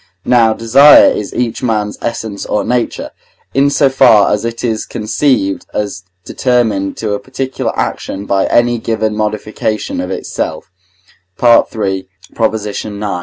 Now desire is each man's essence or nature, in so far as it is conceived as determined to a particular action by any given modification of itself (III. ix.